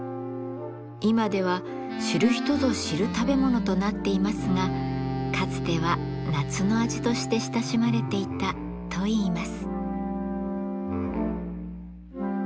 今では知る人ぞ知る食べ物となっていますがかつては夏の味として親しまれていたといいます。